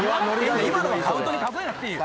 今のはカウントに数えなくていい。